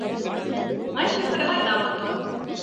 Май сүлмәге майҙа ватыла.